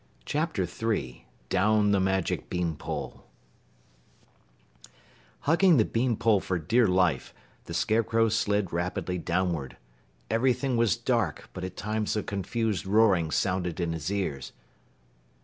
"_ CHAPTER 3 DOWN THE MAGIC BEAN POLE Hugging the bean pole for dear life, the Scarecrow slid rapidly downward, Everything was dark, but at times a confused roaring sounded in his ears.